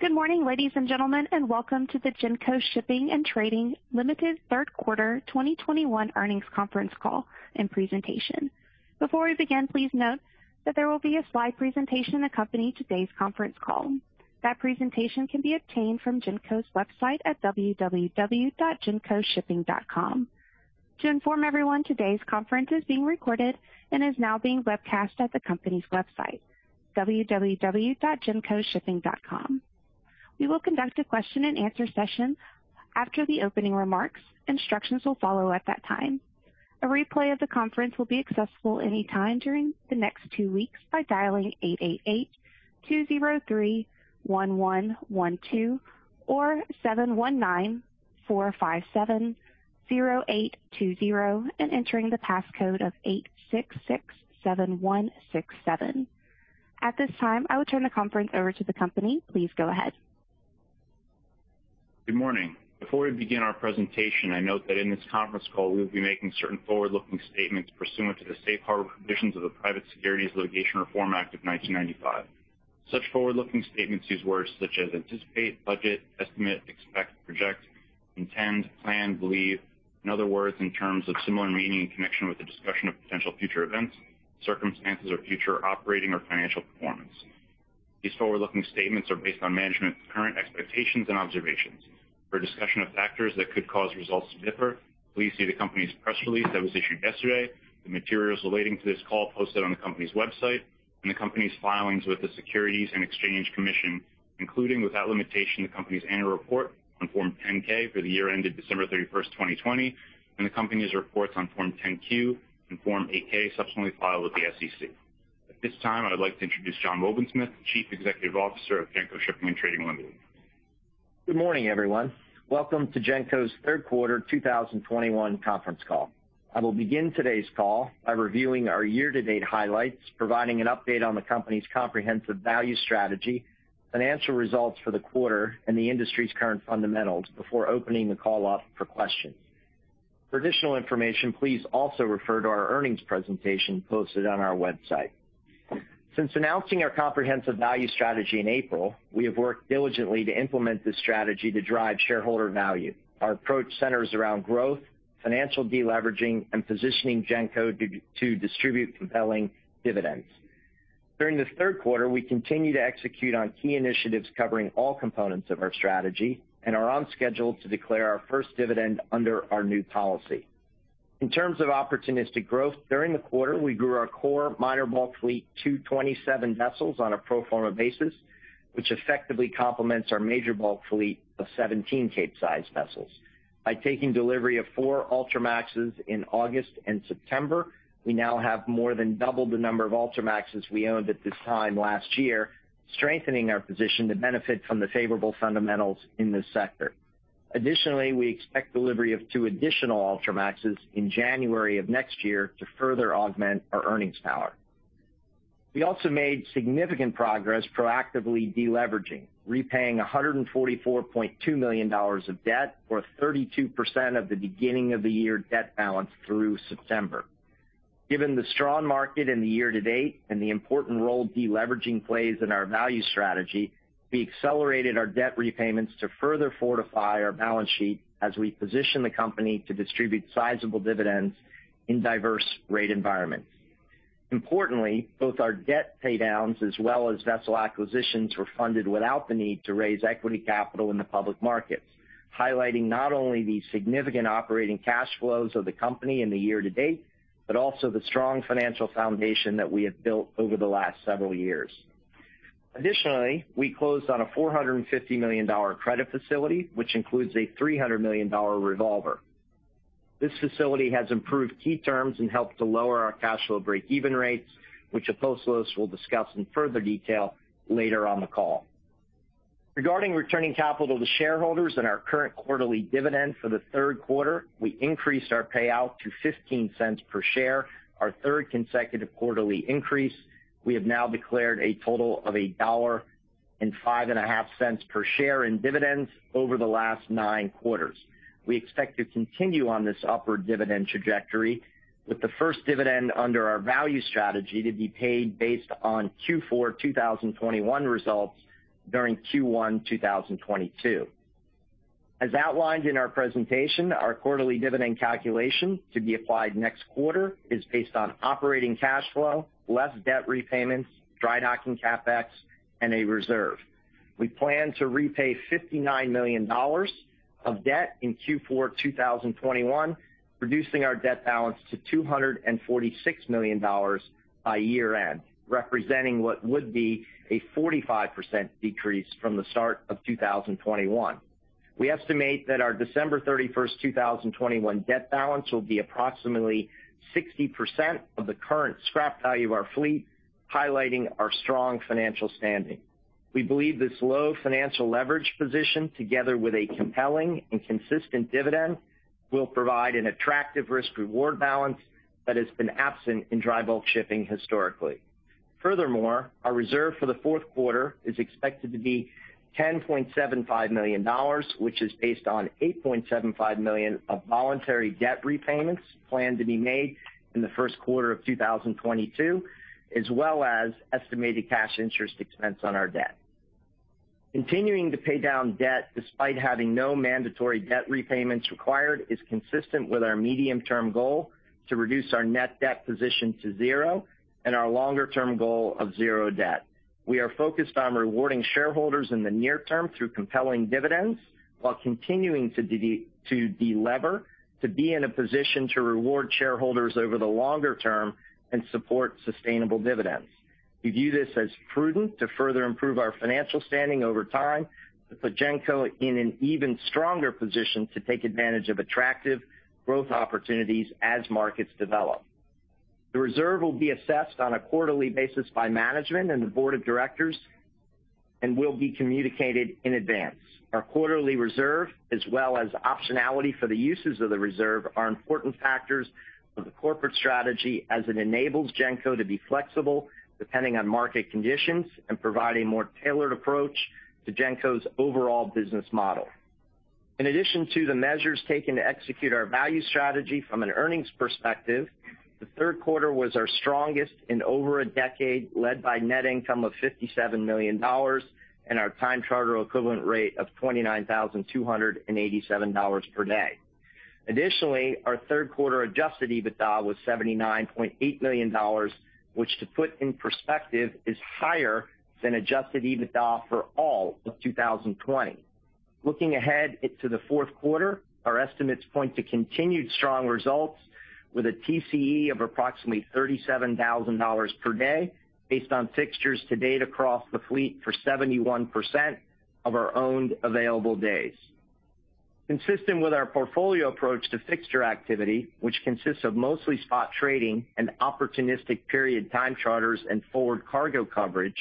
Good morning, ladies and gentlemen, and welcome to the Genco Shipping & Trading Limited Third Quarter 2021 Earnings Conference Call and Presentation. Before we begin, please note that there will be a slide presentation accompanying today's conference call. That presentation can be obtained from Genco's website at www.gencoshipping.com. To inform everyone, today's conference is being recorded and is now being webcast at the company's website, www.gencoshipping.com. We will conduct a question-and-answer session after the opening remarks. Instructions will follow at that time. A replay of the conference will be accessible any time during the next two weeks by dialing 888-203-1112 or 719-457-0820 and entering the passcode of 8667167. At this time, I will turn the conference over to the company. Please go ahead. Good morning. Before we begin our presentation, I note that in this conference call, we will be making certain forward-looking statements pursuant to the safe harbor provisions of the Private Securities Litigation Reform Act of 1995. Such forward-looking statements use words such as anticipate, budget, estimate, expect, project, intend, plan, believe, and other words and terms of similar meaning in connection with the discussion of potential future events, circumstances, or future operating or financial performance. These forward-looking statements are based on management's current expectations and observations. For a discussion of factors that could cause results to differ, please see the company's press release that was issued yesterday, the materials relating to this call posted on the company's website, and the company's filings with the Securities and Exchange Commission, including, without limitation, the company's annual report on Form 10-K for the year ended December 31, 2020, and the company's reports on Form 10-Q and Form 8-K subsequently filed with the SEC. At this time, I would like to introduce John C. Wobensmith, the Chief Executive Officer of Genco Shipping & Trading Limited. Good morning, everyone. Welcome to Genco's third quarter 2021 conference call. I will begin today's call by reviewing our year-to-date highlights, providing an update on the company's comprehensive value strategy, financial results for the quarter, and the industry's current fundamentals before opening the call up for questions. For additional information, please also refer to our earnings presentation posted on our website. Since announcing our comprehensive value strategy in April, we have worked diligently to implement this strategy to drive shareholder value. Our approach centers around growth, financial deleveraging, and positioning Genco to distribute compelling dividends. During the third quarter, we continued to execute on key initiatives covering all components of our strategy and are on schedule to declare our first dividend under our new policy. In terms of opportunistic growth, during the quarter, we grew our core minor bulk fleet to 27 vessels on a pro forma basis, which effectively complements our major bulk fleet of 17 Capesize vessels. By taking delivery of four Ultramaxes in August and September, we now have more than doubled the number of Ultramaxes we owned at this time last year, strengthening our position to benefit from the favorable fundamentals in this sector. Additionally, we expect delivery of two additional Ultramaxes in January of next year to further augment our earnings power. We also made significant progress proactively deleveraging, repaying $144.2 million of debt or 32% of the beginning-of-the-year debt balance through September. Given the strong market in the year-to-date and the important role deleveraging plays in our value strategy, we accelerated our debt repayments to further fortify our balance sheet as we position the company to distribute sizable dividends in diverse rate environments. Importantly, both our debt paydowns as well as vessel acquisitions were funded without the need to raise equity capital in the public markets, highlighting not only the significant operating cash flows of the company in the year-to-date but also the strong financial foundation that we have built over the last several years. Additionally, we closed on a $450 million credit facility, which includes a $300 million revolver. This facility has improved key terms and helped to lower our cash flow break-even rates, which Apostolos will discuss in further detail later on the call. Regarding returning capital to shareholders and our current quarterly dividend for the third quarter, we increased our payout to $0.15 per share, our third consecutive quarterly increase. We have now declared a total of $1.055 per share in dividends over the last nine quarters. We expect to continue on this upward dividend trajectory, with the first dividend under our value strategy to be paid based on Q4 2021 results during Q1 2022. As outlined in our presentation, our quarterly dividend calculation to be applied next quarter is based on operating cash flow, less debt repayments, drydocking CapEx, and a reserve. We plan to repay $59 million of debt in Q4 2021, reducing our debt balance to $246 million by year-end, representing what would be a 45% decrease from the start of 2021. We estimate that our December 31, 2021 debt balance will be approximately 60% of the current scrap value of our fleet, highlighting our strong financial standing. We believe this low financial leverage position, together with a compelling and consistent dividend, will provide an attractive risk-reward balance that has been absent in dry bulk shipping historically. Furthermore, our reserve for the fourth quarter is expected to be $10.75 million, which is based on $8.75 million of voluntary debt repayments planned to be made in the first quarter of 2022, as well as estimated cash interest expense on our debt. Continuing to pay down debt despite having no mandatory debt repayments required is consistent with our medium-term goal to reduce our net debt position to zero and our longer-term goal of zero debt. We are focused on rewarding shareholders in the near term through compelling dividends while continuing to delever to be in a position to reward shareholders over the longer term and support sustainable dividends. We view this as prudent to further improve our financial standing over time to put Genco in an even stronger position to take advantage of attractive growth opportunities as markets develop. The reserve will be assessed on a quarterly basis by management and the board of directors and will be communicated in advance. Our quarterly reserve, as well as optionality for the uses of the reserve, are important factors of the corporate strategy as it enables Genco to be flexible depending on market conditions and provide a more tailored approach to Genco's overall business model. In addition to the measures taken to execute our value strategy from an earnings perspective, the third quarter was our strongest in over a decade, led by net income of $57 million and our time charter equivalent rate of $29,287 per day. Additionally, our third quarter adjusted EBITDA was $79.8 million, which, to put in perspective, is higher than adjusted EBITDA for all of 2020. Looking ahead into the fourth quarter, our estimates point to continued strong results with a TCE of approximately $37,000 per day based on fixtures to date across the fleet for 71% of our owned available days. Consistent with our portfolio approach to fixture activity, which consists of mostly spot trading and opportunistic period time charters and forward cargo coverage,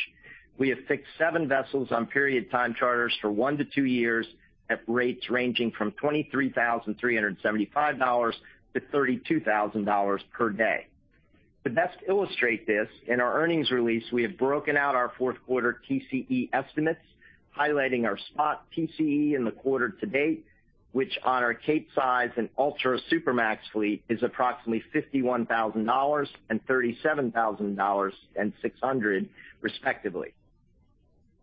we have fixed 7 vessels on period time charters for 1-2 years at rates ranging from $23,375-$32,000 per day. To best illustrate this, in our earnings release, we have broken out our fourth quarter TCE estimates, highlighting our spot TCE in the quarter to date, which on our Capesize and Ultramax and Supramax fleet is approximately $51,000 and $37,600, respectively.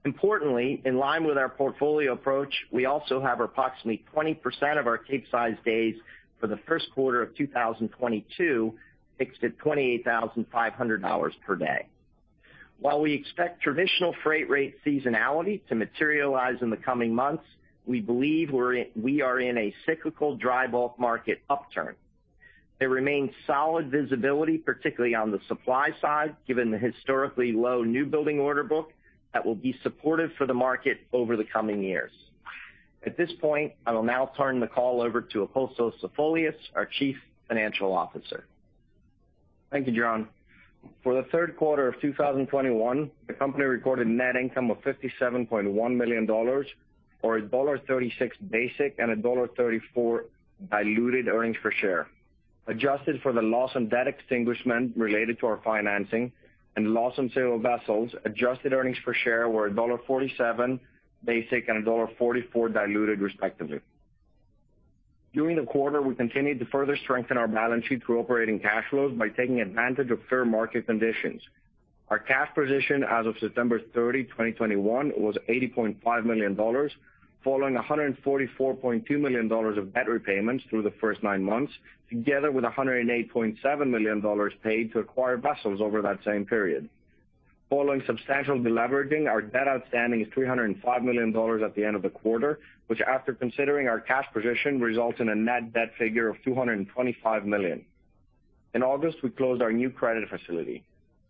Importantly, in line with our portfolio approach, we also have approximately 20% of our Capesize days for the first quarter of 2022 fixed at $28,500 per day. While we expect traditional freight rate seasonality to materialize in the coming months, we believe we are in a cyclical dry bulk market upturn. There remains solid visibility, particularly on the supply side, given the historically low new building order book that will be supportive for the market over the coming years. At this point, I will now turn the call over to Apostolos Zafolias, our Chief Financial Officer. Thank you, John. For the third quarter of 2021, the company recorded net income of $57.1 million or $1.36 basic and $1.34 diluted earnings per share. Adjusted for the loss on debt extinguishment related to our financing and loss on sale of vessels, adjusted earnings per share were $1.47 basic and $1.44 diluted, respectively. During the quarter, we continued to further strengthen our balance sheet through operating cash flows by taking advantage of fair market conditions. Our cash position as of September 30, 2021, was $80.5 million, following $144.2 million of debt repayments through the first nine months, together with $108.7 million paid to acquire vessels over that same period. Following substantial deleveraging, our debt outstanding is $305 million at the end of the quarter, which after considering our cash position, results in a net debt figure of $225 million. In August, we closed our new credit facility.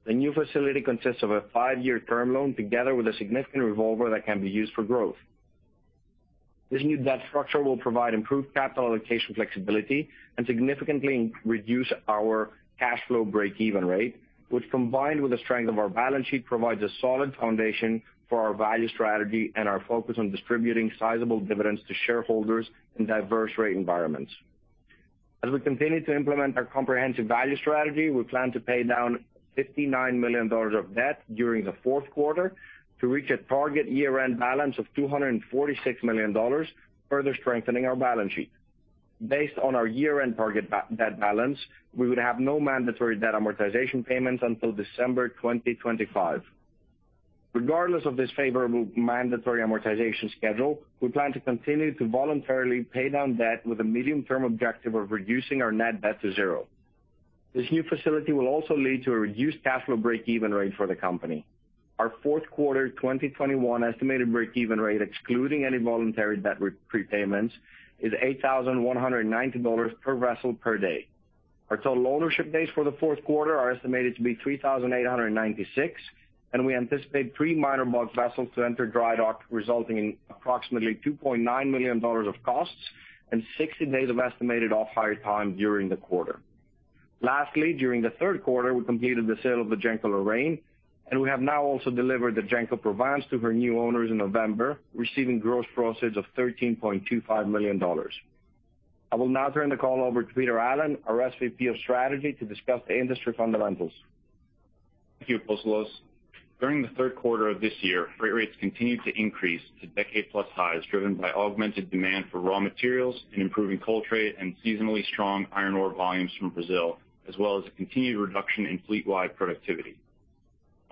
The new facility consists of a five-year term loan together with a significant revolver that can be used for growth. This new debt structure will provide improved capital allocation flexibility and significantly reduce our cash flow break-even rate, which, combined with the strength of our balance sheet, provides a solid foundation for our value strategy and our focus on distributing sizable dividends to shareholders in diverse rate environments. As we continue to implement our comprehensive value strategy, we plan to pay down $59 million of debt during the fourth quarter to reach a target year-end balance of $246 million, further strengthening our balance sheet. Based on our year-end target debt balance, we would have no mandatory debt amortization payments until December 2025. Regardless of this favorable mandatory amortization schedule, we plan to continue to voluntarily pay down debt with a medium-term objective of reducing our net debt to zero. This new facility will also lead to a reduced cash flow break-even rate for the company. Our fourth quarter 2021 estimated break-even rate, excluding any voluntary debt prepayments, is $8,190 per vessel per day. Our total ownership days for the fourth quarter are estimated to be 3,896, and we anticipate 3 minor bulk vessels to enter dry dock, resulting in approximately $2.9 million of costs and 60 days of estimated off-hire time during the quarter. Lastly, during the third quarter, we completed the sale of the Genco Lorraine, and we have now also delivered the Genco Provence to her new owners in November, receiving gross proceeds of $13.25 million. I will now turn the call over to Peter Allen, our SVP of Strategy, to discuss the industry fundamentals. Thank you, Apostolos. During the third quarter of this year, freight rates continued to increase to decade-plus highs, driven by augmented demand for raw materials and improving coal trade and seasonally strong iron ore volumes from Brazil, as well as a continued reduction in fleet-wide productivity.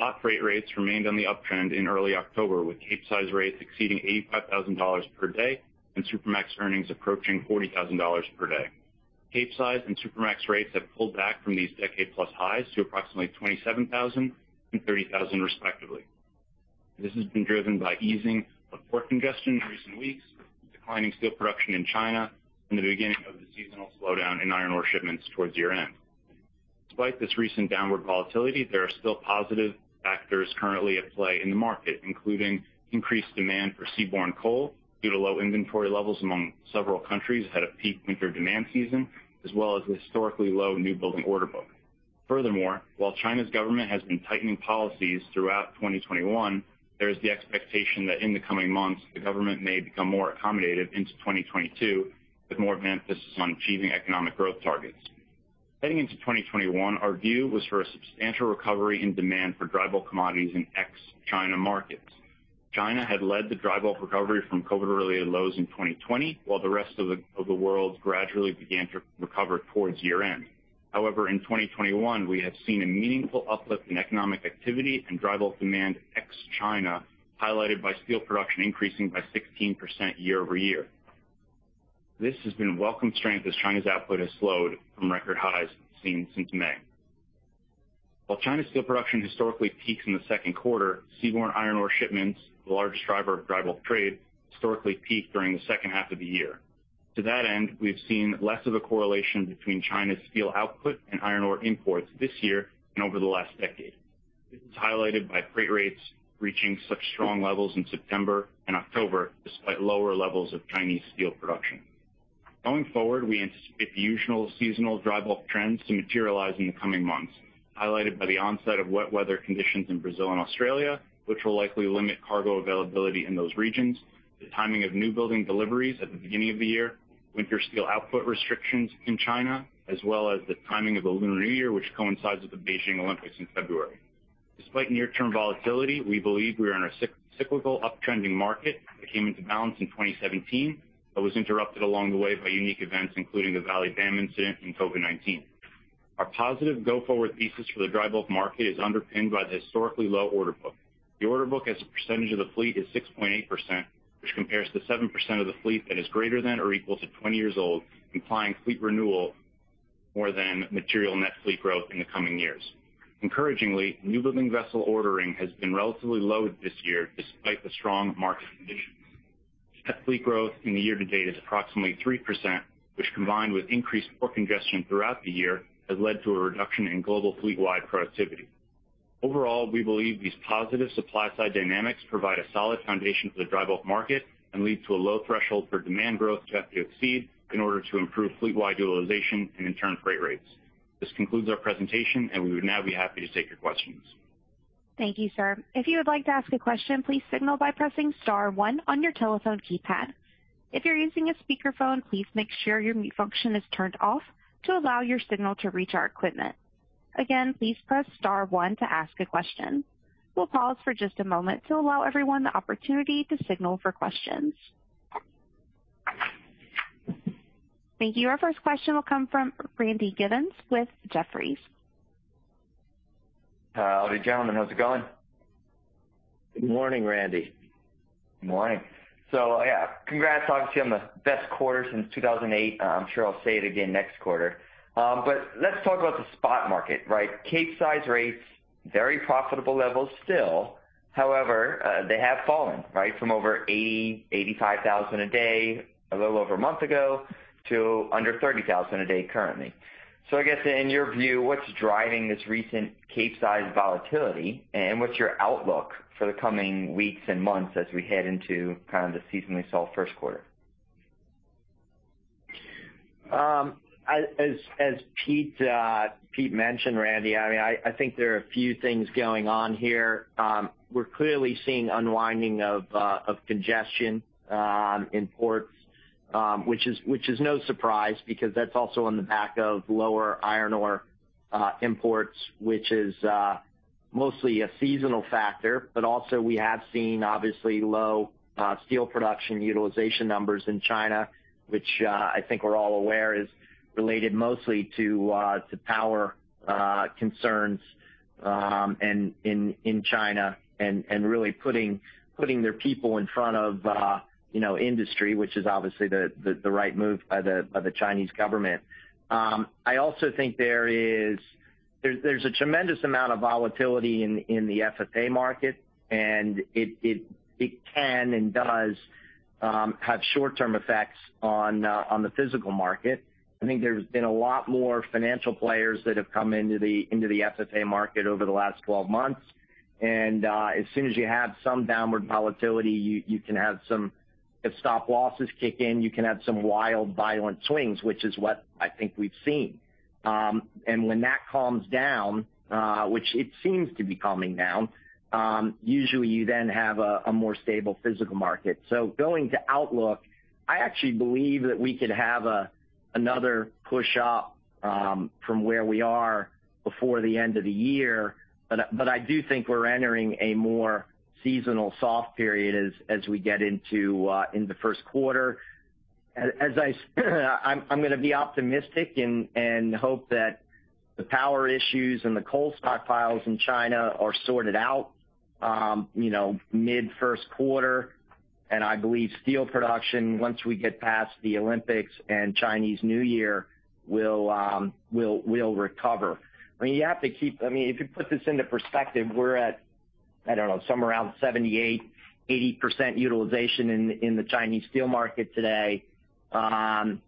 Spot freight rates remained on the uptrend in early October, with Capesize rates exceeding $85,000 per day and Supramax earnings approaching $40,000 per day. Capesize and Supramax rates have pulled back from these decade-plus highs to approximately 27,000 and 30,000 respectively. This has been driven by easing of port congestion in recent weeks, declining steel production in China and the beginning of the seasonal slowdown in iron ore shipments towards year-end. Despite this recent downward volatility, there are still positive factors currently at play in the market, including increased demand for seaborne coal due to low inventory levels among several countries ahead of peak winter demand season, as well as historically low newbuilding order book. Furthermore, while China's government has been tightening policies throughout 2021, there is the expectation that in the coming months the government may become more accommodative into 2022, with more emphasis on achieving economic growth targets. Heading into 2021, our view was for a substantial recovery in demand for dry bulk commodities in ex-China markets. China had led the dry bulk recovery from COVID-related lows in 2020, while the rest of the world gradually began to recover towards year-end. However, in 2021, we have seen a meaningful uplift in economic activity and dry bulk demand ex-China, highlighted by steel production increasing by 16% year-over-year. This has been a welcome strength as China's output has slowed from record highs seen since May. While China's steel production historically peaks in the second quarter, seaborne iron ore shipments, the largest driver of dry bulk trade, historically peak during the second half of the year. To that end, we have seen less of a correlation between China's steel output and iron ore imports this year and over the last decade. It was highlighted by freight rates reaching such strong levels in September and October, despite lower levels of Chinese steel production. Going forward, we anticipate the usual seasonal dry bulk trends to materialize in the coming months, highlighted by the onset of wet weather conditions in Brazil and Australia, which will likely limit cargo availability in those regions, the timing of newbuilding deliveries at the beginning of the year, winter steel output restrictions in China, as well as the timing of the Lunar New Year, which coincides with the Beijing Olympics in February. Despite near-term volatility, we believe we are in a cyclical uptrending market that came into balance in 2017, but was interrupted along the way by unique events, including the Vale dam incident and COVID-19. Our positive go-forward thesis for the dry bulk market is underpinned by the historically low order book. The order book as a percentage of the fleet is 6.8%, which compares to 7% of the fleet that is greater than or equal to 20 years old, implying fleet renewal more than material net fleet growth in the coming years. Encouragingly, newbuilding vessel ordering has been relatively low this year despite the strong market conditions. Net fleet growth in the year-to-date is approximately 3%, which combined with increased port congestion throughout the year, has led to a reduction in global fleet-wide productivity. Overall, we believe these positive supply-side dynamics provide a solid foundation for the dry bulk market and lead to a low threshold for demand growth to have to exceed in order to improve fleet-wide utilization and in turn, freight rates. This concludes our presentation, and we would now be happy to take your questions. Thank you, sir. If you would like to ask a question, please signal by pressing star one on your telephone keypad. If you're using a speakerphone, please make sure your mute function is turned off to allow your signal to reach our equipment. Again, please press star one to ask a question. We'll pause for just a moment to allow everyone the opportunity to signal for questions. Thank you. Our first question will come from Randy Giveans with Jefferies. Hi gentlemen. How's it going? Good morning, Randy. Good morning. Yeah, congrats, obviously, on the best quarter since 2008. I'm sure I'll say it again next quarter. Let's talk about the spot market, right? Capesize rates, very profitable levels still. However, they have fallen, right, from over $85,000 a day a little over a month ago to under $30,000 a day currently. I guess in your view, what's driving this recent Capesize volatility and what's your outlook for the coming weeks and months as we head into kind of the seasonally slow first quarter? As Pete mentioned, Randy, I mean, I think there are a few things going on here. We're clearly seeing unwinding of congestion in ports, which is no surprise because that's also on the back of lower iron ore imports, which is mostly a seasonal factor. We have seen obviously low steel production utilization numbers in China, which I think we're all aware is related mostly to power concerns in China and really putting their people in front of you know, industry, which is obviously the right move by the Chinese government. I also think there is. There's a tremendous amount of volatility in the FFA market, and it can and does have short-term effects on the physical market. I think there's been a lot more financial players that have come into the FFA market over the last 12 months. As soon as you have some downward volatility, if stop losses kick in, you can have some wild, violent swings, which is what I think we've seen. When that calms down, which it seems to be calming down, usually you then have a more stable physical market. Going to outlook, I actually believe that we could have another push up from where we are before the end of the year. I do think we're entering a more seasonal soft period as we get in the first quarter. I'm gonna be optimistic and hope that the power issues and the coal stockpiles in China are sorted out, you know, mid-first quarter. I believe steel production, once we get past the Olympics and Chinese New Year, will recover. I mean, you have to keep I mean, if you put this into perspective, we're at, I don't know, somewhere around 78%-80% utilization in the Chinese steel market today. Even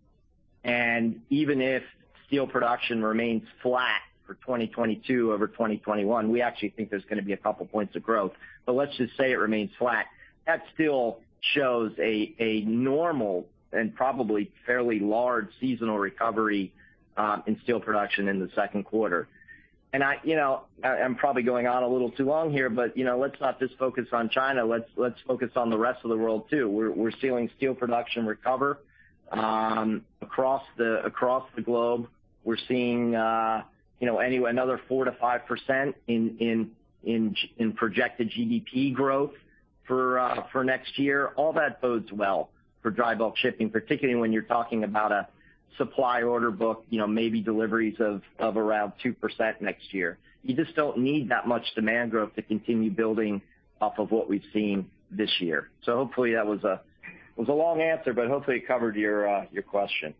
if steel production remains flat for 2022 over 2021, we actually think there's gonna be a couple points of growth. Let's just say it remains flat. That still shows a normal and probably fairly large seasonal recovery in steel production in the second quarter. I'm probably going on a little too long here, but you know, let's not just focus on China, let's focus on the rest of the world too. We're seeing steel production recover across the globe. We're seeing you know, another 4%-5% in projected GDP growth for next year. All that bodes well for dry bulk shipping, particularly when you're talking about a supply order book, you know, maybe deliveries of around 2% next year. You just don't need that much demand growth to continue building off of what we've seen this year. So hopefully that was a long answer, but hopefully it covered your question.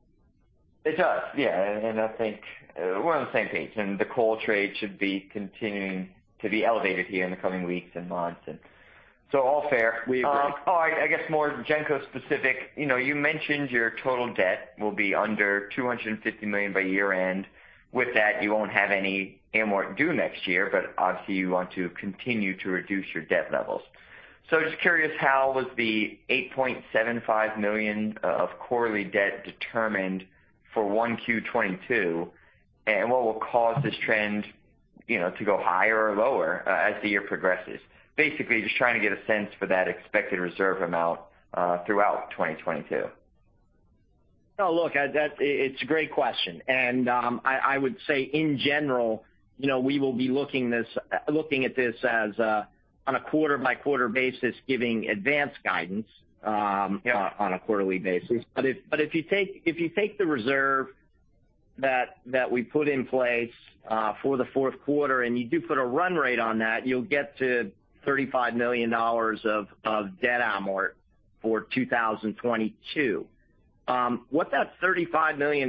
It does, yeah. I think we're on the same page. The coal trade should be continuing to be elevated here in the coming weeks and months. All fair. We agree. All right. I guess more Genco specific. You know, you mentioned your total debt will be under $250 million by year-end. With that, you won't have any amort due next year, but obviously you want to continue to reduce your debt levels. Just curious, how was the $80.75 million of quarterly debt determined for 1Q 2022? And what will cause this trend, you know, to go higher or lower, as the year progresses? Basically, just trying to get a sense for that expected reserve amount throughout 2022. No, look, that's it. It's a great question. I would say in general, you know, we will be looking at this as on a quarter-by-quarter basis giving advanced guidance. Yeah On a quarterly basis. If you take the reserve that we put in place for the fourth quarter and you do put a run rate on that, you'll get to $35 million of debt amort for 2022. What that $35 million,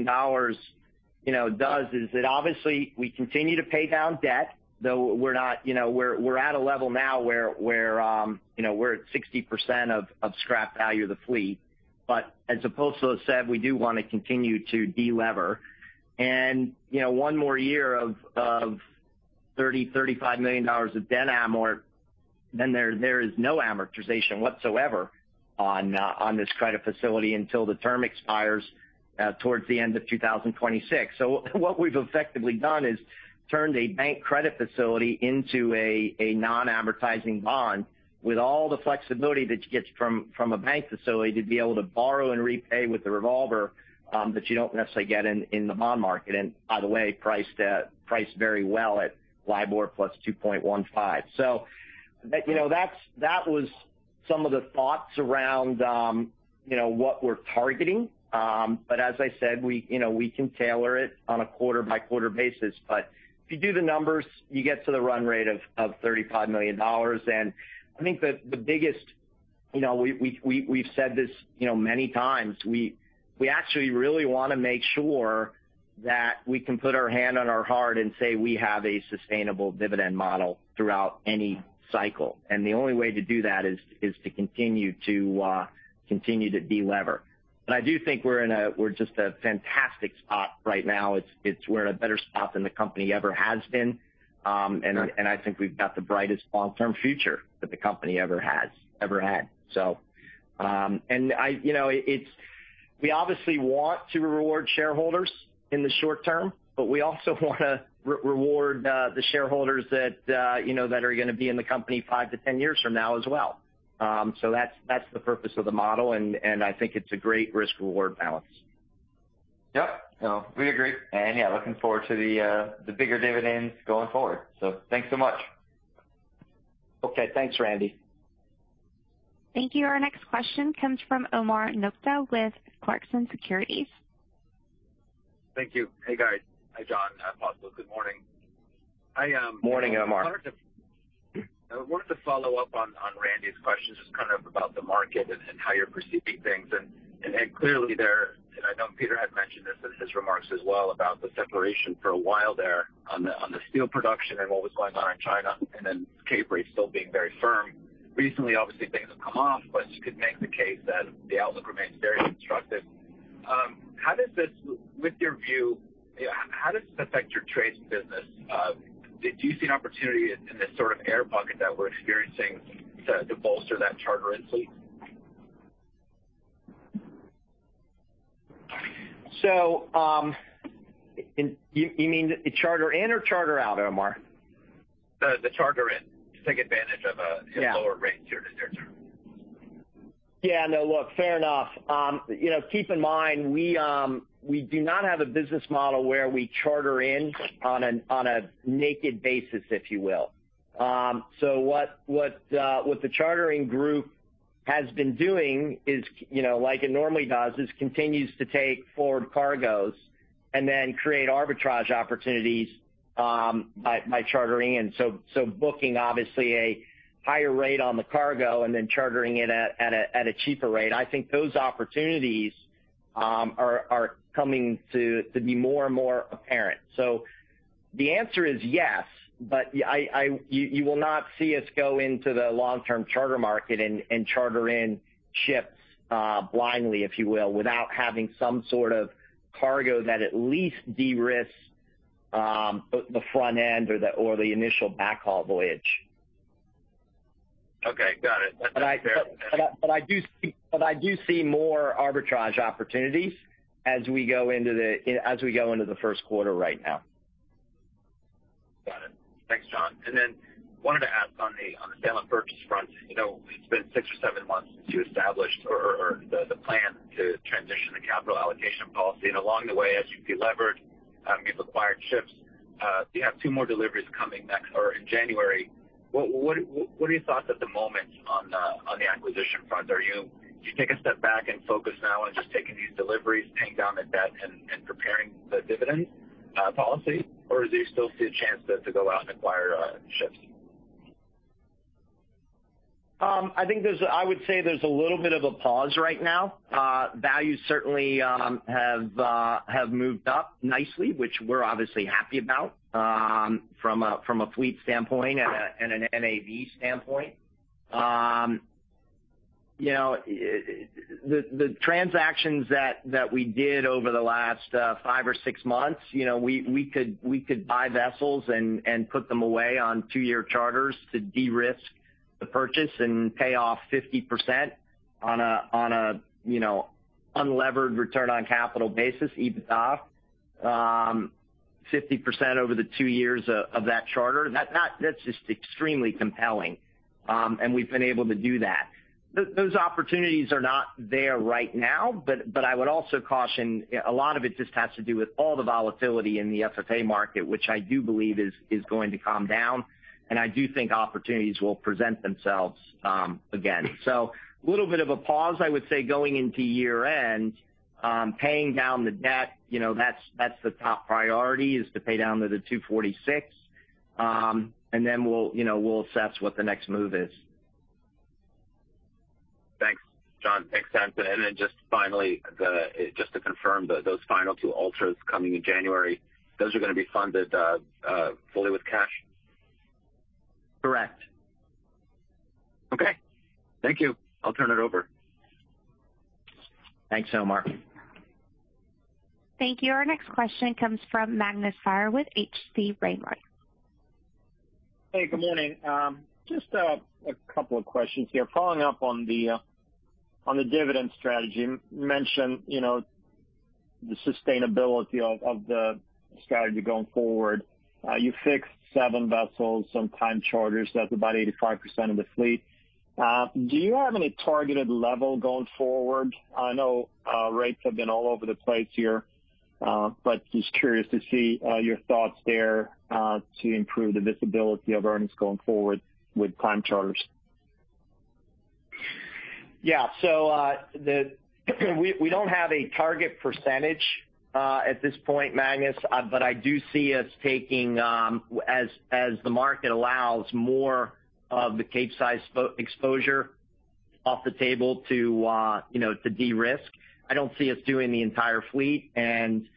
you know, does is that obviously we continue to pay down debt, though we're not, you know, we're at a level now where, you know, we're at 60% of scrap value of the fleet. But as Apostolos said, we do wanna continue to de-lever. You know, one more year of $35 million of debt amort, then there is no amortization whatsoever on this credit facility until the term expires towards the end of 2026. What we've effectively done is turned a bank credit facility into a non-amortizing bond with all the flexibility that you get from a bank facility to be able to borrow and repay with the revolver that you don't necessarily get in the bond market. By the way, priced very well at LIBOR plus 2.15. You know, that was some of the thoughts around, you know, what we're targeting. As I said, you know, we can tailor it on a quarter-by-quarter basis. If you do the numbers, you get to the run rate of $35 million. I think the biggest you know we've said this you know many times. We actually really want to make sure that we can put our hand on our heart and say we have a sustainable dividend model throughout any cycle. The only way to do that is to continue to delever. I do think we're in just a fantastic spot right now. It's. We're in a better spot than the company ever has been. Sure. I think we've got the brightest long-term future that the company ever had. You know, we obviously want to reward shareholders in the short term, but we also wanna reward the shareholders that you know are gonna be in the company five to 10 years from now as well. That's the purpose of the model, and I think it's a great risk-reward balance. Yep. No, we agree. Yeah, looking forward to the bigger dividends going forward. Thanks so much. Okay. Thanks, Randy. Thank you. Our next question comes from Omar Nokta with Clarksons Securities. Thank you. Hey, guys. Hi, John, Apostolos. Good morning. I Morning, Omar. I wanted to follow up on Randy's questions just kind of about the market and how you're perceiving things. Clearly there, I know Peter had mentioned this in his remarks as well about the separation for a while there on the steel production and what was going on in China, and then Capesize rate still being very firm. Recently, obviously things have come off, but you could make the case that the outlook remains very constructive. How does this, with your view, affect your trading business? Do you see an opportunity in this sort of air pocket that we're experiencing to bolster that charter in fleet? You mean charter in or charter out, Omar? The charter in to take advantage of a Yeah lower rates here to charter. Yeah. No, look, fair enough. You know, keep in mind we do not have a business model where we charter in on a naked basis, if you will. What the chartering group has been doing is, you know, like it normally does, continues to take forward cargoes and then create arbitrage opportunities by chartering, booking obviously a higher rate on the cargo and then chartering it at a cheaper rate. I think those opportunities are coming to be more and more apparent. The answer is yes, but you will not see us go into the long-term charter market and charter in ships blindly, if you will, without having some sort of cargo that at least de-risks the front end or the initial backhaul voyage. Okay, got it. That's fair. I do see more arbitrage opportunities as we go into the first quarter right now. Got it. Thanks, John. Wanted to ask on the sale and purchase front, you know, it's been six or seven months since you established or the plan to transition the capital allocation policy. Along the way, as you've delevered, you've acquired ships, you have two more deliveries coming next or in January. What are your thoughts at the moment on the acquisition front? Did you take a step back and focus now on just taking these deliveries, paying down the debt and preparing the dividend policy? Do you still see a chance to go out and acquire ships? I think there's a little bit of a pause right now. Values certainly have moved up nicely, which we're obviously happy about, from a fleet standpoint and a NAV standpoint. You know, the transactions that we did over the last five or six months, you know, we could buy vessels and put them away on two-year charters to de-risk the purchase and pay off 50% on a unlevered return on capital basis, EBITDA, 50% over the two years of that charter. That's just extremely compelling, and we've been able to do that. Those opportunities are not there right now, but I would also caution a lot of it just has to do with all the volatility in the FFA market, which I do believe is going to calm down, and I do think opportunities will present themselves again. A little bit of a pause, I would say, going into year-end, paying down the debt, you know, that's the top priority is to pay down to the $246. We'll, you know, we'll assess what the next move is. Thanks, John. Makes sense. Just finally, just to confirm, those final 2 Ultras coming in January, those are going to be funded fully with cash? Correct. Okay. Thank you. I'll turn it over. Thanks, Omar. Thank you. Our next question comes from Magnus Fyhr with H.C. Wainwright & Co. Hey, good morning. Just a couple of questions here. Following up on the dividend strategy, you mentioned, you know, the sustainability of the strategy going forward. You fixed seven vessels, some time charters, that's about 85% of the fleet. Do you have any targeted level going forward? I know rates have been all over the place here, but just curious to see your thoughts there to improve the visibility of earnings going forward with time charters. We don't have a target percentage at this point, Magnus, but I do see us taking, as the market allows, more of the Capesize exposure off the table, you know, to de-risk. I don't see us doing the entire fleet, and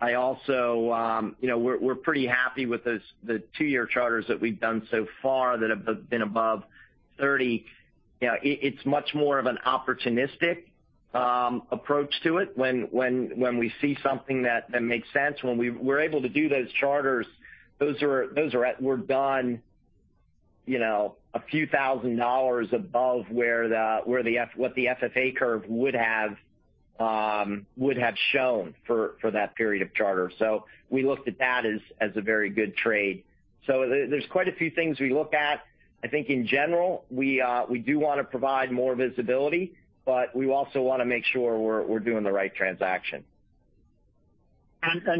I also, you know, we're pretty happy with the two-year charters that we've done so far that have been above 30. You know, it's much more of an opportunistic approach to it when we see something that makes sense. When we're able to do those charters, those were done, you know, a few thousand dollars above what the FFA curve would have shown for that period of charter. We looked at that as a very good trade. There's quite a few things we look at. I think in general, we do want to provide more visibility, but we also want to make sure we're doing the right transaction.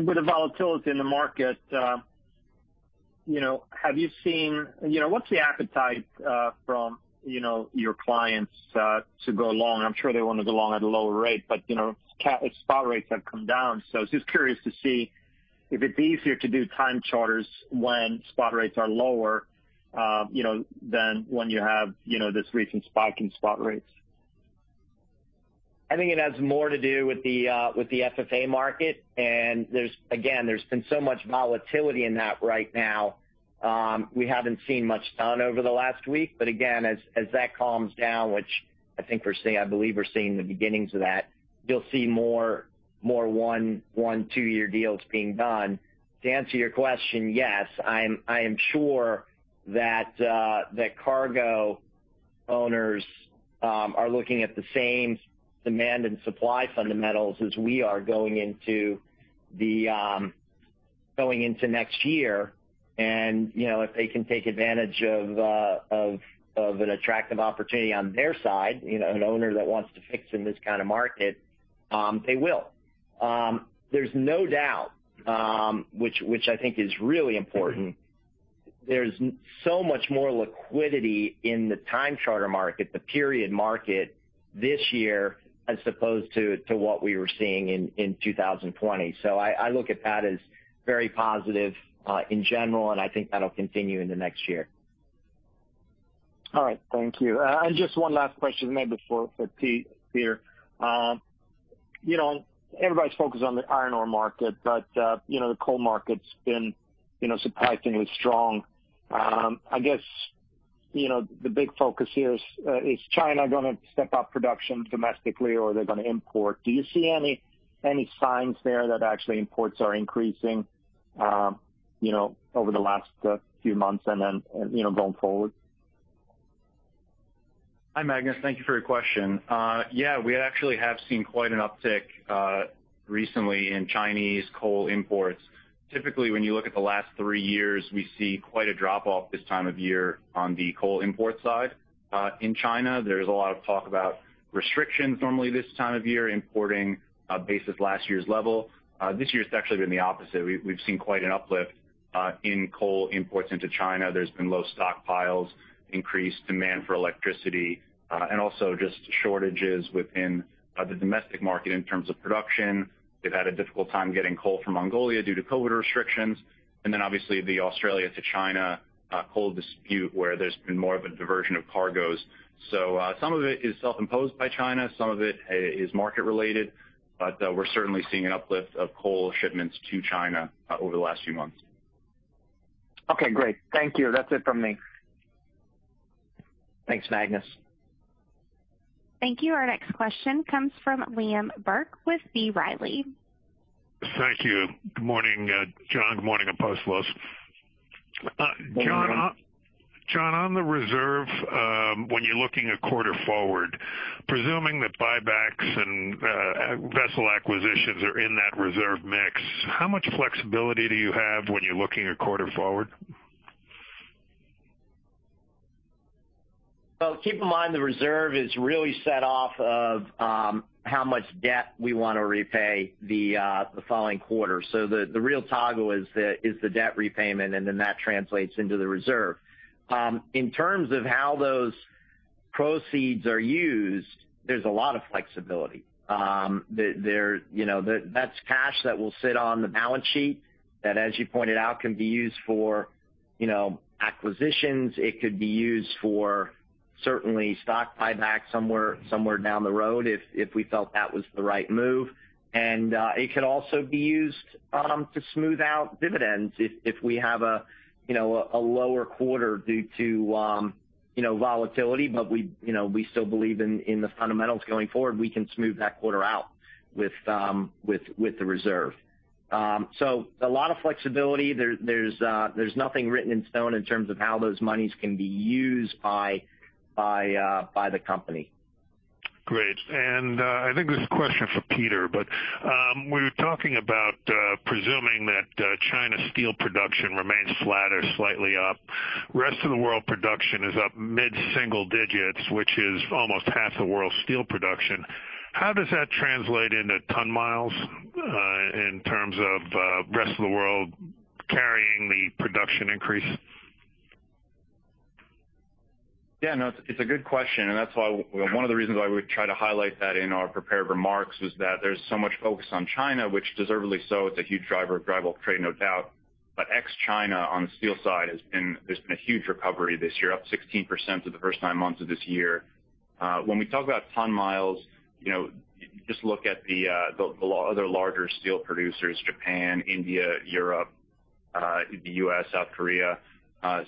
With the volatility in the market, you know, have you seen? You know, what's the appetite from, you know, your clients to go long? I'm sure they want to go long at a lower rate, but, you know, spot rates have come down. Just curious to see if it'd be easier to do time charters when spot rates are lower, you know, than when you have, you know, this recent spike in spot rates. I think it has more to do with the FFA market. There's again been so much volatility in that right now. We haven't seen much done over the last week. Again, as that calms down, which I think we're seeing, I believe we're seeing the beginnings of that, you'll see more 1-2-year deals being done. To answer your question, yes, I am sure that the cargo owners are looking at the same demand and supply fundamentals as we are going into next year. You know, if they can take advantage of an attractive opportunity on their side, you know, an owner that wants to fix in this kind of market, they will. There's no doubt, which I think is really important. There's so much more liquidity in the time charter market, the period market this year, as opposed to what we were seeing in 2020. I look at that as very positive, in general, and I think that'll continue in the next year. All right. Thank you. Just one last question, maybe for Pete, Peter. You know, everybody's focused on the iron ore market, but you know, the coal market's been you know, surprisingly strong. I guess, you know, the big focus here is China gonna step up production domestically or are they gonna import? Do you see any signs there that actually imports are increasing, you know, over the last few months and then you know, going forward? Hi, Magnus. Thank you for your question. Yeah, we actually have seen quite an uptick recently in Chinese coal imports. Typically, when you look at the last three years, we see quite a drop-off this time of year on the coal import side. In China, there's a lot of talk about restrictions normally this time of year importing basis last year's level. This year it's actually been the opposite. We've seen quite an uplift in coal imports into China. There's been low stockpiles, increased demand for electricity, and also just shortages within the domestic market in terms of production. They've had a difficult time getting coal from Mongolia due to COVID restrictions, and then obviously the Australia to China coal dispute, where there's been more of a diversion of cargoes. Some of it is self-imposed by China, some of it is market related, but we're certainly seeing an uplift of coal shipments to China over the last few months. Okay, great. Thank you. That's it from me. Thanks, Magnus. Thank you. Our next question comes from Liam Burke with B. Riley Securities. Thank you. Good morning, John. Good morning, Apostolos. Good morning. John, on the reserve, when you're looking a quarter forward, presuming that buybacks and vessel acquisitions are in that reserve mix, how much flexibility do you have when you're looking a quarter forward? Keep in mind the reserve is really set off of how much debt we wanna repay the following quarter. The real toggle is the debt repayment, and then that translates into the reserve. In terms of how those proceeds are used, there's a lot of flexibility. There, you know, that's cash that will sit on the balance sheet that, as you pointed out, can be used for, you know, acquisitions. It could be used for certainly stock buybacks somewhere down the road if we felt that was the right move. It could also be used to smooth out dividends if we have a, you know, lower quarter due to, you know, volatility, but we, you know, still believe in the fundamentals going forward. We can smooth that quarter out with the reserve. So a lot of flexibility. There's nothing written in stone in terms of how those monies can be used by the company. Great. I think this is a question for Peter, but we were talking about presuming that China's steel production remains flat or slightly up. Rest of the world production is up mid-single digits, which is almost half the world's steel production. How does that translate into ton miles, in terms of rest of the world carrying the production increase? Yeah, no, it's a good question, and that's why one of the reasons why we try to highlight that in our prepared remarks was that there's so much focus on China, which deservedly so it's a huge driver of global trade, no doubt. Ex-China on the steel side, there's been a huge recovery this year, up 16% for the first nine months of this year. When we talk about ton miles, just look at the other larger steel producers, Japan, India, Europe, the U.S., South Korea.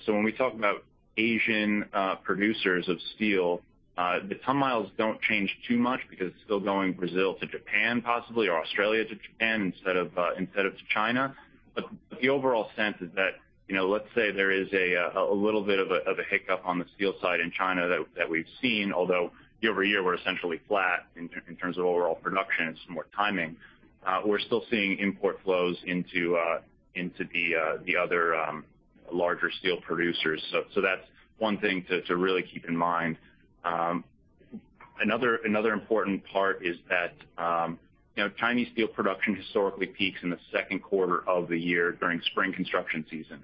When we talk about Asian producers of steel, the ton miles don't change too much because it's still going Brazil to Japan possibly, or Australia to Japan instead of to China. The overall sense is that, you know, let's say there is a little bit of a hiccup on the steel side in China that we've seen. Although year-over-year, we're essentially flat in terms of overall production. It's more timing. We're still seeing import flows into the other larger steel producers. That's one thing to really keep in mind. Another important part is that, you know, Chinese steel production historically peaks in the second quarter of the year during spring construction season.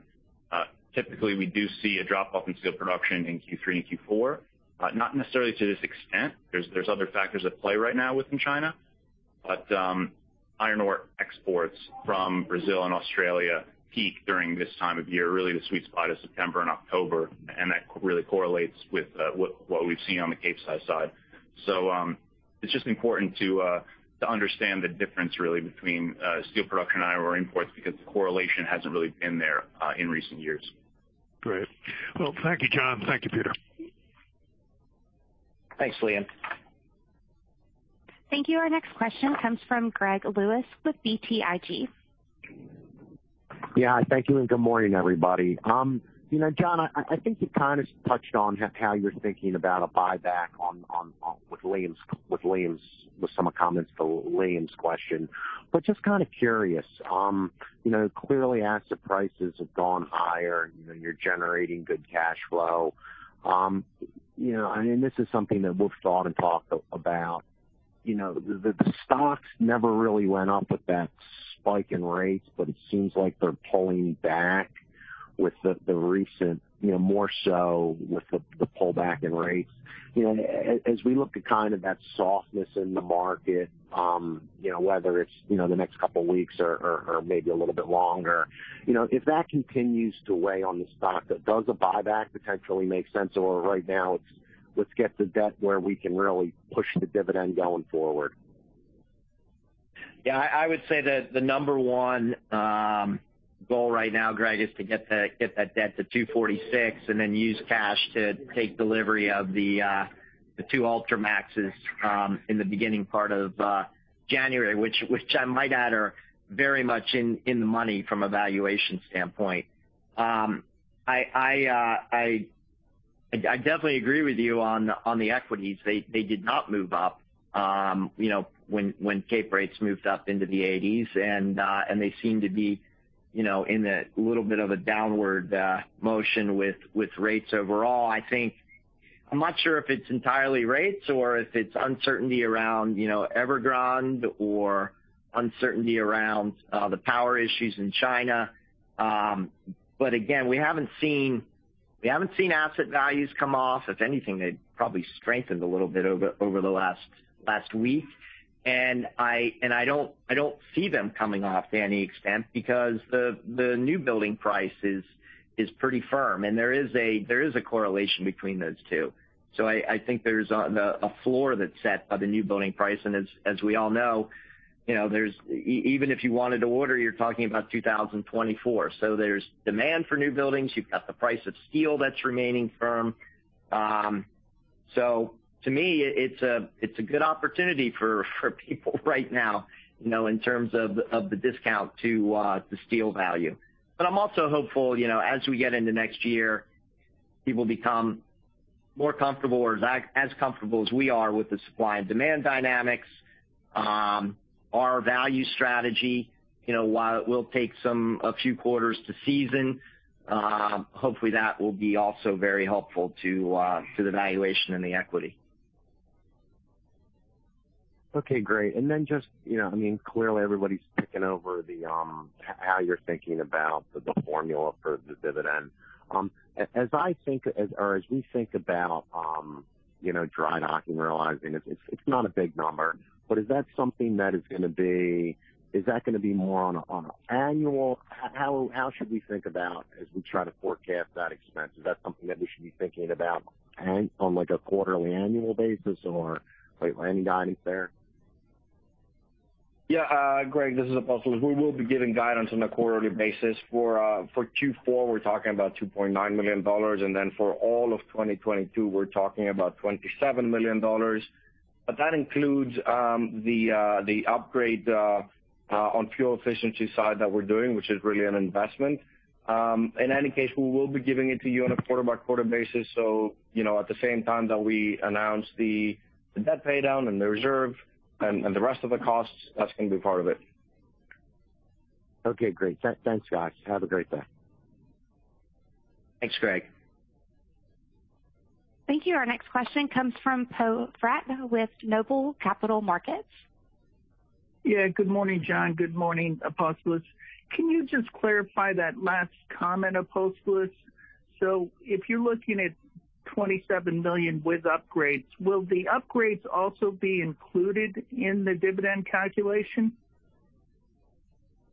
Typically, we do see a drop-off in steel production in Q3 and Q4, not necessarily to this extent. There's other factors at play right now within China. Iron ore exports from Brazil and Australia peak during this time of year. Really the sweet spot is September and October, and that really correlates with what we've seen on the Capesize side. It's just important to understand the difference really between steel production and iron ore imports because the correlation hasn't really been there in recent years. Great. Well, thank you, John. Thank you, Peter. Thanks, Liam. Thank you. Our next question comes from Greg Lewis with BTIG. Yeah. Thank you, and good morning, everybody. You know, John, I think you kind of touched on how you're thinking about a buyback with some comments to Liam's question, but I'm just kind of curious. You know, clearly asset prices have gone higher and you're generating good cash flow. You know, I mean, this is something that Wall Street's thought and talked about. You know, the stocks never really went up with that spike in rates, but it seems like they're pulling back with the recent, you know, more so with the pullback in rates. You know, as we look at kind of that softness in the market, you know, whether it's, you know, the next couple weeks or maybe a little bit longer, you know, if that continues to weigh on the stock, does a buyback potentially make sense? Or right now it's let's get the debt where we can really push the dividend going forward. Yeah, I would say that the number one goal right now, Greg, is to get that debt to $246 and then use cash to take delivery of the two Ultramaxes in the beginning part of January, which I might add are very much in the money from a valuation standpoint. I definitely agree with you on the equities. They did not move up, you know, when Capesize rates moved up into the 80s and they seem to be, you know, in a little bit of a downward motion with rates overall. I think I'm not sure if it's entirely rates or if it's uncertainty around, you know, Evergrande or uncertainty around the power issues in China. Again, we haven't seen asset values come off. If anything, they probably strengthened a little bit over the last week. I don't see them coming off to any extent because the new building price is pretty firm, and there is a correlation between those two. I think there's a floor that's set by the new building price. As we all know, you know, even if you wanted to order, you're talking about 2024. There's demand for new buildings. You've got the price of steel that's remaining firm. To me, it's a good opportunity for people right now, you know, in terms of the discount to the steel value. I'm also hopeful, you know, as we get into next year, people become more comfortable or as comfortable as we are with the supply and demand dynamics. Our value strategy, you know, while it will take a few quarters to season, hopefully, that will be also very helpful to the valuation and the equity. Okay, great. Just, you know, I mean, clearly everybody's picking over the how you're thinking about the formula for the dividend. Or as we think about, you know, dry docking realizing it's not a big number, but is that something that is gonna be. Is that gonna be more on a annual. How should we think about as we try to forecast that expense? Is that something that we should be thinking about on, like, a quarterly annual basis or wait for any guidance there? Yeah, Greg, this is Apostolos. We will be giving guidance on a quarterly basis. For Q4, we're talking about $2.9 million, and then for all of 2022, we're talking about $27 million. That includes the upgrade on fuel efficiency side that we're doing, which is really an investment. In any case, we will be giving it to you on a quarter-by-quarter basis. You know, at the same time that we announce the debt paydown and the reserve and the rest of the costs, that's gonna be part of it. Okay, great. Thanks, guys. Have a great day. Thanks, Greg. Thank you. Our next question comes from Poe Fratt with Noble Capital Markets. Yeah. Good morning, John. Good morning, Apostolos. Can you just clarify that last comment, Apostolos? If you're looking at $27 million with upgrades, will the upgrades also be included in the dividend calculation?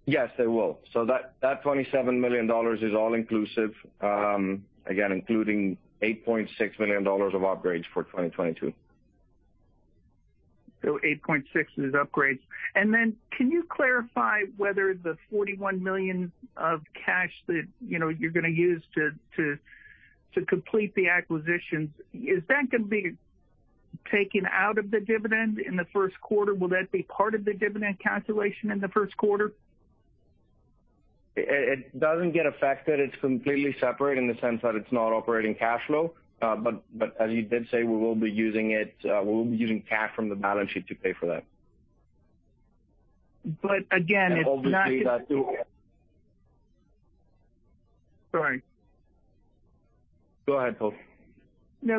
Yes, they will. That $27 million is all inclusive, again, including $8.6 million of upgrades for 2022. 8.6 is upgrades. Then can you clarify whether the $41 million of cash that, you know, you're gonna use to complete the acquisitions, is that gonna be taken out of the dividend in the first quarter? Will that be part of the dividend calculation in the first quarter? It doesn't get affected. It's completely separate in the sense that it's not operating cash flow. As you did say, we will be using cash from the balance sheet to pay for that. Again, it's not. Obviously that too. Sorry. Go ahead, Po. No,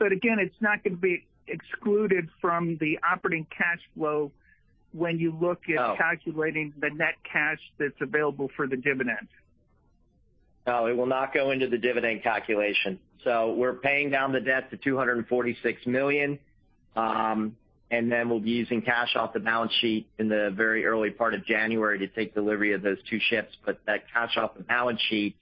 again, it's not gonna be excluded from the operating cash flow when you look at. No. Calculating the net cash that's available for the dividend. No, it will not go into the dividend calculation. We're paying down the debt to $246 million, and then we'll be using cash off the balance sheet in the very early part of January to take delivery of those two ships. That cash off the balance sheet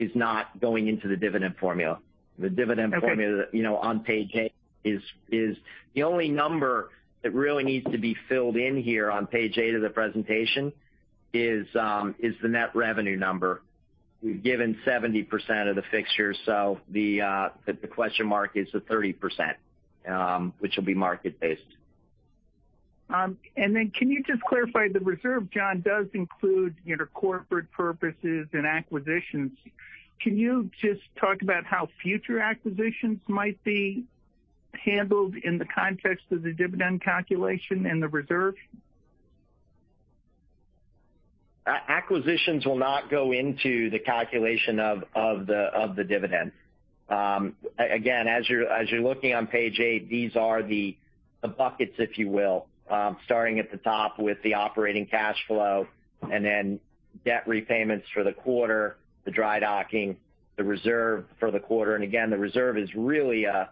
is not going into the dividend formula. Okay. The dividend formula, you know, on page eight is. The only number that really needs to be filled in here on page eight of the presentation is the net revenue number. We've given 70% of the fixtures, so the question mark is the 30%, which will be market based. Can you just clarify, the reserve, John, does include, you know, corporate purposes and acquisitions. Can you just talk about how future acquisitions might be handled in the context of the dividend calculation and the reserve? Acquisitions will not go into the calculation of the dividend. Again, as you're looking on page eight, these are the buckets, if you will, starting at the top with the operating cash flow and then debt repayments for the quarter, the dry docking, the reserve for the quarter. Again, the reserve is really a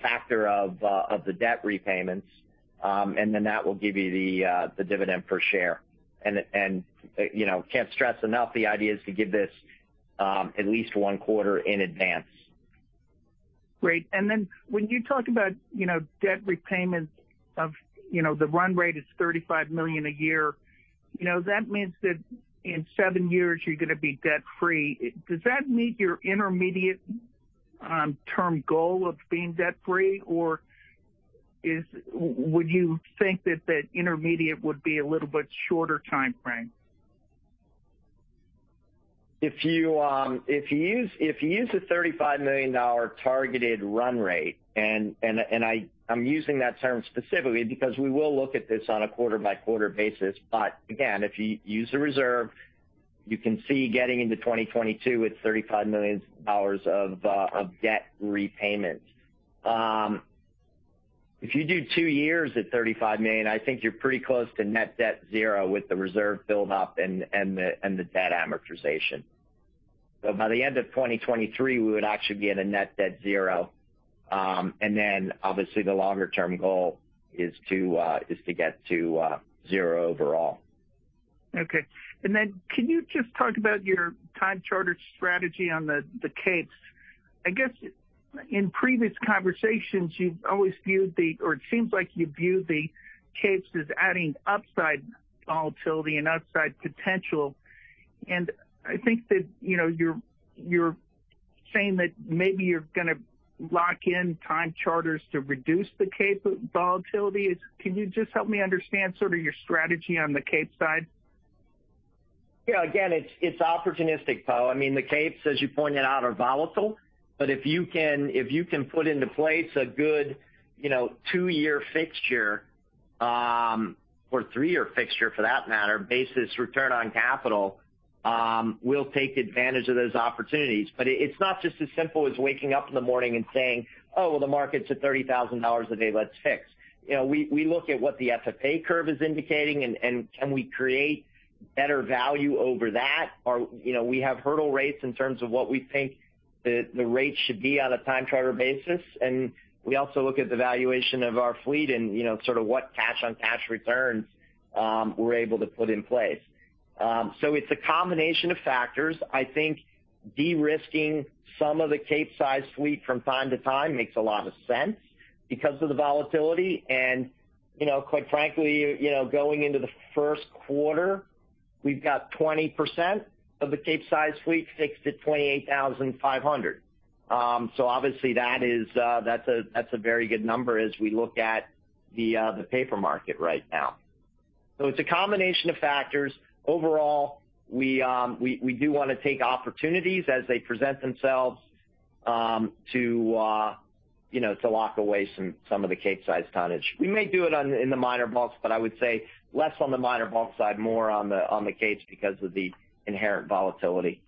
factor of the debt repayments. That will give you the dividend per share. You know, can't stress enough, the idea is to give this at least one quarter in advance. Great. Then when you talk about, you know, debt repayments of, you know, the run rate is $35 million a year, you know, that means that in seven years you're gonna be debt-free. Does that meet your intermediate term goal of being debt-free? Or would you think that that intermediate would be a little bit shorter timeframe? If you use the $35 million targeted run rate, and I'm using that term specifically because we will look at this on a quarter-by-quarter basis. Again, if you use the reserve, you can see getting into 2022 with $35 million of debt repayment. If you do two years at $35 million, I think you're pretty close to net debt zero with the reserve build up and the debt amortization. By the end of 2023, we would actually be at a net debt zero. Then obviously the longer term goal is to get to zero overall. Okay. Can you just talk about your time charter strategy on the Capes? I guess in previous conversations you've always viewed or it seems like you view the Capes as adding upside volatility and upside potential. I think that, you know, you're saying that maybe you're gonna lock in time charters to reduce the Cape volatility. Can you just help me understand sort of your strategy on the Cape side? Yeah. Again, it's opportunistic, Poe. I mean, the Capes, as you pointed out, are volatile, but if you can put into place a good, you know, two-year fixture or three-year fixture for that matter, basis return on capital, we'll take advantage of those opportunities. But it's not just as simple as waking up in the morning and saying, "Oh, well, the market's at $30,000 a day, let's fix." You know, we look at what the FFA curve is indicating and can we create better value over that? Or, you know, we have hurdle rates in terms of what we think the rates should be on a time charter basis. We also look at the valuation of our fleet and, you know, sort of what cash-on-cash returns we're able to put in place. It's a combination of factors. I think de-risking some of the Capesize fleet from time to time makes a lot of sense because of the volatility. You know, quite frankly, you know, going into the first quarter, we've got 20% of the Capesize fleet fixed at $28,500. Obviously, that's a very good number as we look at the paper market right now. It's a combination of factors. Overall, we do want to take opportunities as they present themselves, you know, to lock in some of the Capesize tonnage. We may do it in the minor bulks, but I would say less on the minor bulk side, more on the Capesize because of the inherent volatility.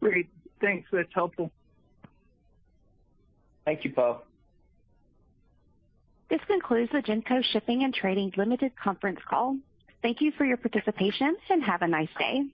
Great. Thanks. That's helpful. Thank you, Poe. This concludes the Genco Shipping & Trading Limited conference call. Thank you for your participation, and have a nice day.